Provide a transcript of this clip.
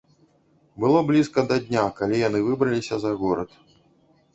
Было блізка да дня, калі яны выбраліся за горад.